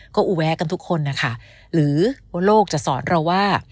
ก็อุแวะกันทุกคนนะคะหรือว่าโลกจะสอนเราว่า